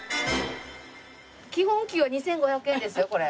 基本給は２５００円ですよこれ。